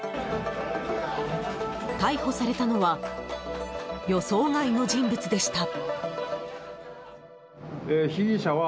逮捕されたのは予想外の人物でした。